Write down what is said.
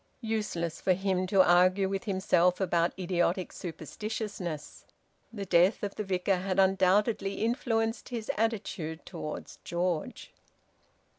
Useless for him to argue with himself about idiotic superstitiousness! The death of the Vicar had undoubtedly influenced his attitude towards George.